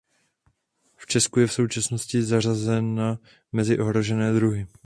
V Česku je v současnosti zařazena mezi ohrožené druhy.